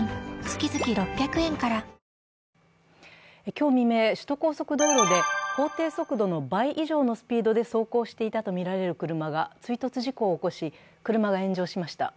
今日未明、首都高速道路で法定速度の倍以上のスピードで走行していたとみられる車が追突事故を起こし、車が炎上しました。